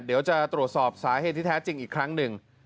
เดี๋ยวจะตรวจสอบสาเหตุที่แท้จริงอีกครั้งหนึ่ง